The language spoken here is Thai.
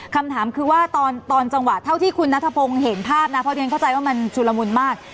คำถามคือว่าตอนจังหวะเท่าที่คุณนัทพงศ์เห็นภาพนะเพราะเรียนเข้าใจว่ามันชุลมุนมาก